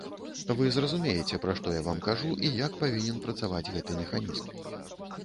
Вы зразумееце, пра што я вам кажу і як павінен працаваць гэты механізм.